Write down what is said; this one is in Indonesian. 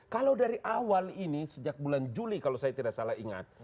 kalau dari awal ini sejak bulan juli kalau saya tidak salah ingat